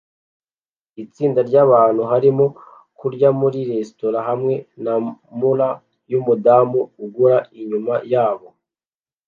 Itsinda ryabantu barimo kurya muri resitora hamwe na mural yumudamu ugura inyuma yabo